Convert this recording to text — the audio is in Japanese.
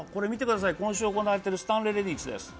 今週行われているスタンレーレディスです。